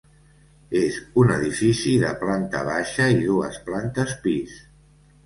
És un edifici de planta baixa i dues plantes pis.